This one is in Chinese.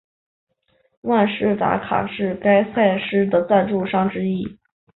万事达卡是该赛事的赞助商之一。